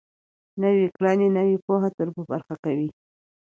نويې کړنې نوې پوهه در په برخه کوي.